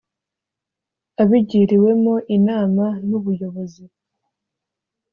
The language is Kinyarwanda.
abigiriwemo inama n ubuyobozi